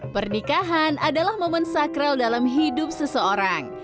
pernikahan adalah momen sakral dalam hidup seseorang